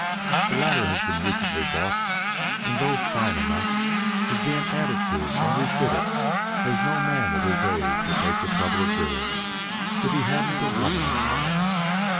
The latter has been recently bought and, though fine enough, is being added to and refitted as no man at his age would take the trouble of doing, if he hadn't a woman in mind.